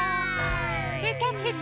ぺたぺた。